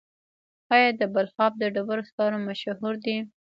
آیا د بلخاب د ډبرو سکاره مشهور دي؟